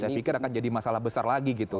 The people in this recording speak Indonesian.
saya pikir akan jadi masalah besar lagi gitu